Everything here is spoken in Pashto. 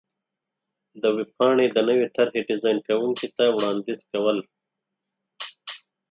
-د ویبپاڼې د نوې طر حې ډېزان کوونکي ته وړاندیز کو ل